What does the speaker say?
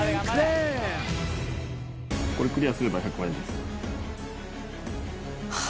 これクリアすれば１００万円です